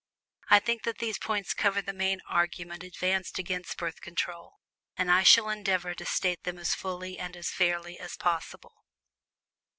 I think that these points cover the main argument advanced against Birth Control, and I shall endeavor to state them as fully and as fairly as possible.